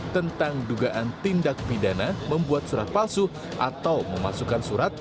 tentang dugaan tindak pidana membuat surat palsu atau memasukkan surat